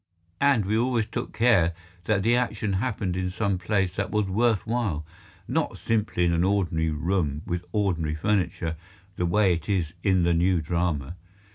And we always took care that the action happened in some place that was worth while, not simply in an ordinary room with ordinary furniture, the way it is in the new drama.